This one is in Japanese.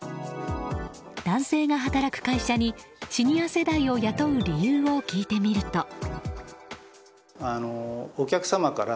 男性が働く会社にシニア世代を雇う理由を聞いてみると。